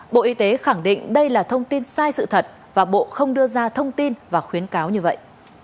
bộ y tế khẳng định đây là thông tin sai sự thật và bộ không đưa ra thông tin và khuyến cáo như vậy